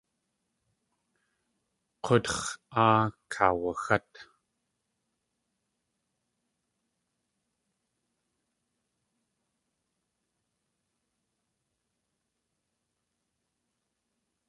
K̲útx̲ áa kaawaxát.